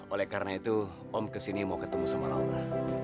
oleh karena itu om kesini mau ketemu sama laura